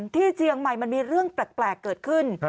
เจียงใหม่มันมีเรื่องแปลกเกิดขึ้น